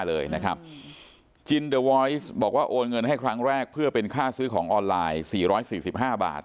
เลยนะครับจินเดอร์วอยซ์บอกว่าโอนเงินให้ครั้งแรกเพื่อเป็นค่าซื้อของออนไลน์๔๔๕บาท